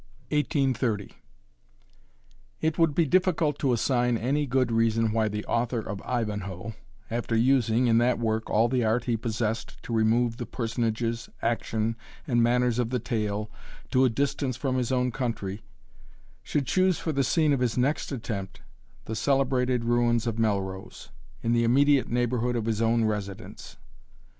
INTRODUCTION (1830.) It would be difficult to assign any good reason why the author of Ivanhoe, after using, in that work, all the art he possessed to remove the personages, action, and manners of the tale, to a distance from his own country, should choose for the scene of his next attempt the celebrated ruins of Melrose, in the immediate neighbourhood of his own residence.